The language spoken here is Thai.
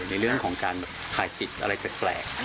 ในเรื่องของการถ่ายจิตอะไรแปลก